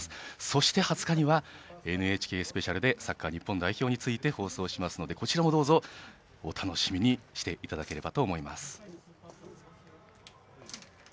そして、２０日にはＮＨＫスペシャルでサッカー日本代表について放送しますのでこちらもどうぞお楽しみにしていただければと思います。